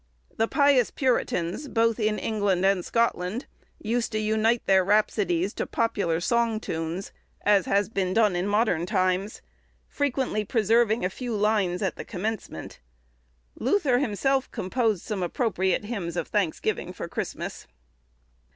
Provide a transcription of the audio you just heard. The pious puritans, both in England and Scotland, used to unite their rhapsodies to popular song tunes (as has been done in modern times), frequently preserving a few lines at the commencement. Luther himself composed some appropriate hymns of thanksgiving for Christmas.